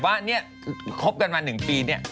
ว่าเนี่ยคบกันมา๑ปีเนี่ย